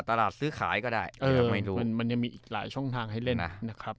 ตลาดซื้อขายก็ได้เออไม่รู้มันมันยังมีอีกหลายช่องทางให้เล่นนะนะครับ